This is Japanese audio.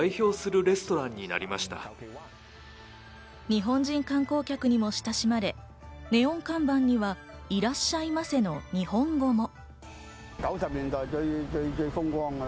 日本人観光客にも親しまれ、ネオン看板には「いらっしゃいませ」の日本語も。